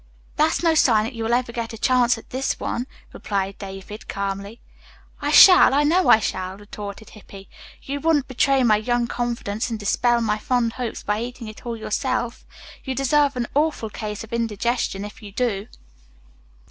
"That's no sign that you will ever get a chance at this one," replied David calmly. "I shall, I know I shall," retorted Hippy, "You wouldn't betray my young confidence and dispel my fond hopes by eating it all yourself. You deserve an awful case of indigestion if you do."